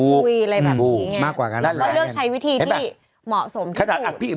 หรือว่าเลือกใช้วิธีที่เหมาะสมที่พูด